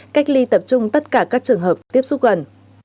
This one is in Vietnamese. cách ly tập trung tất cả các trường hợp tiếp xúc gần